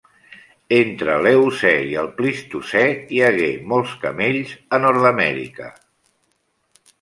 Entre l'Eocè i el Plistocè hi hagué molts camells a Nord-amèrica.